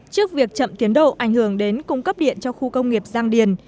trước việc chậm tiến độ ảnh hưởng đến cung cấp điện cho khu công nghiệp giang điền